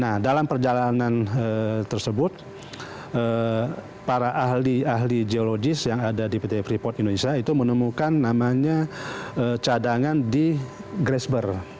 nah dalam perjalanan tersebut para ahli ahli geologis yang ada di pt freeport indonesia itu menemukan namanya cadangan di grasberg